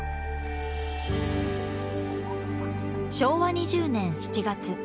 昭和２０年７月。